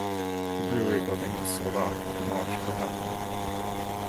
The brewery building was sold off and demolished for housing.